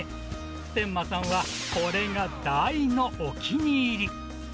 普天間さんはこれが大のお気に入り。